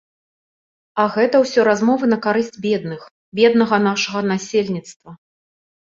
А гэта ўсё размовы на карысць бедных, беднага нашага насельніцтва.